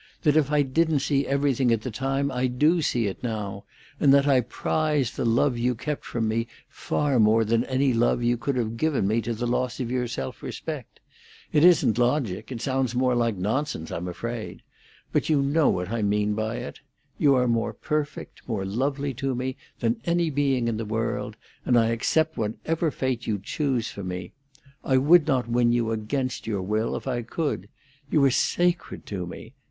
—that if I didn't see everything at the time, I do see it now, and that I prize the love you kept from me far more than any love you could have given me to the loss of your self respect. It isn't logic—it sounds more like nonsense, I am afraid—but you know what I mean by it. You are more perfect, more lovely to me, than any being in the world, and I accept whatever fate you choose for me. I would not win you against your will if I could. You are sacred to me.